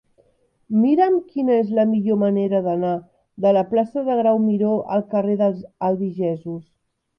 Mira'm quina és la millor manera d'anar de la plaça de Grau Miró al carrer dels Albigesos.